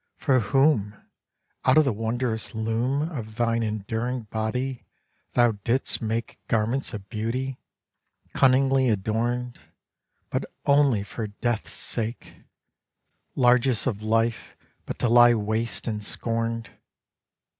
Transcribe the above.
For whom, Out of the wondrous loom Of thine enduring body, thou didst make Garments of beauty, cunningly adorned, But only for Death's sake! Largess of life, but to lie waste and scorned.